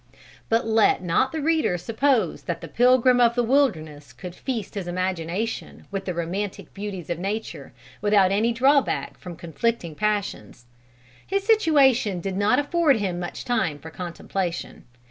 "But let not the reader suppose that the pilgrim of the wilderness could feast his imagination with the romantic beauties of nature, without any drawback from conflicting passions. His situation did not afford him much time for contemplation.